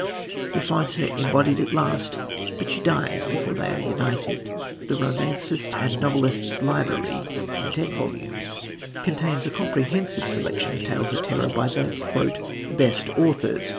He finds her embodied at last, but she dies before they are united. The Romancist and Novelist's Library, in ten volumes, contains a comprehensive selection of tales of terror by the "best authors."